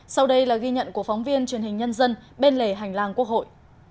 sau đây là ghi nhận của phóng viên truyền hình nhân dân bên lề hành lang quốc hội